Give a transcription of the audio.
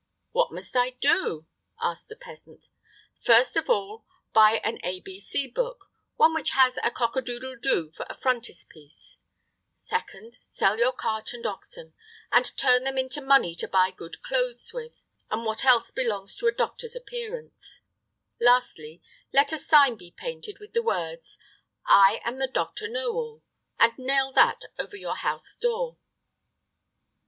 "What must I do?" asked the peasant. "First of all, buy an A B C book, one which has a cock a doodle do for a frontispiece; secondly, sell your cart and oxen, and turn them into money to buy good clothes with, and what else belongs to a doctor's appearance; lastly, let a sign be painted, with the words, 'I am the Doctor Know All,' and nail that over your house door."